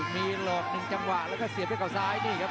มีหลอกหนึ่งจังหวะแล้วก็เสียบด้วยเขาซ้ายนี่ครับ